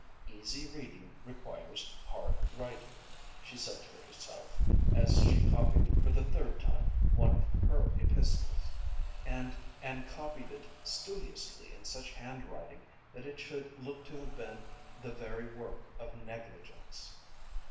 "Easy reading requires hard writing," she said to herself as she copied for the third time one of her epistles, and copied it studiously in such handwriting that it should look to have been the very work of negligence.